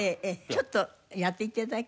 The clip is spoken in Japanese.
ちょっとやって頂いて。